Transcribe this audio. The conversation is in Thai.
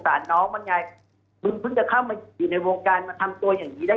เอาเสร็จหายอีกตั้งที่ก็ตกลงกันแล้วนะ